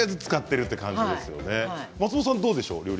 松本さんは、どうでしょう。